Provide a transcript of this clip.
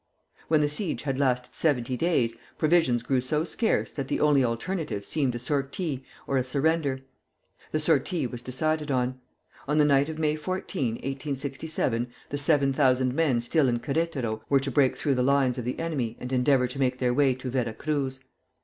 When the siege had lasted seventy days, provisions grew so scarce that the only alternatives seemed a sortie or a surrender. The sortie was decided on. On the night of May 14, 1867, the seven thousand men still in Queretaro were to break through the lines of the enemy and endeavor to make their way to Vera Cruz.